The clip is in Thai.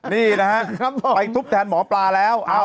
นี่นะฮะไปทุบแทนหมอปลาแล้ว